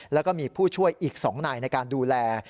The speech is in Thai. แล้วก็มีผู้ช่วยอีก๒นายในการดูแล